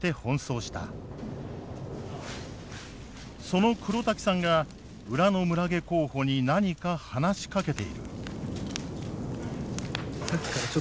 その黒滝さんが裏の村下候補に何か話しかけている。